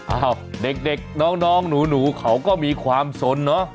อ้าวเด็กน้องหนูเขาก็มีความสนเนอะ